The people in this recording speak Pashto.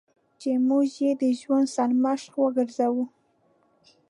چې موږ یې د ژوند سرمشق وګرځوو.